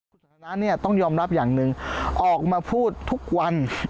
คุณฐานะเนี่ยต้องยอมรับอย่างหนึ่งออกมาพูดทุกวัน